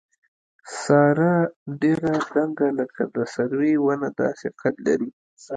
ساره ډېره دنګه لکه د سروې ونه داسې قد لري.